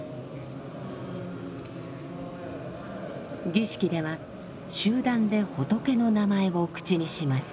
儀式では集団で仏の名前を口にします。